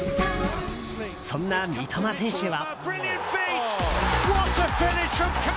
そんな三笘選手は。